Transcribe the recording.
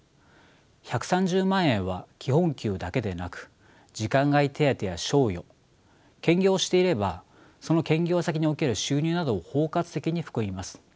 １３０万円は基本給だけでなく時間外手当や賞与兼業をしていればその兼業先における収入などを包括的に含みます。